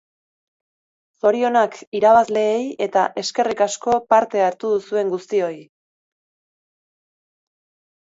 Zorionak irabazleei, eta eskerrik asko parte hartu duzuen guztioi!